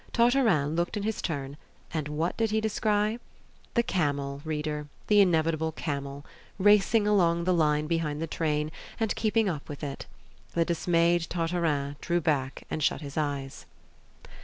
Tartarin looked in his turn, and what did he descry! the camel, reader, the inevitable camel, racing along the line behind the train, and keeping up with it! The dismayed Tartarin drew back and shut his eyes.